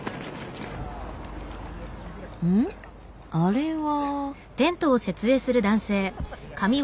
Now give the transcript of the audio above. うん？あれは。